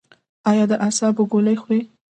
ایا د اعصابو ګولۍ خورئ؟